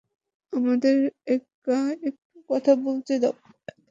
আমাদের একা একটু কথা বলতে দাও।